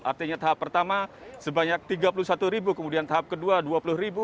artinya tahap pertama sebanyak tiga puluh satu ribu kemudian tahap kedua dua puluh ribu